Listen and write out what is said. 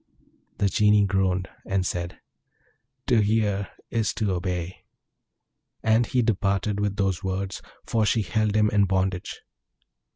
The Genie groaned, and said, 'To hear is to obey!' And he departed with those words, for she held him in bondage.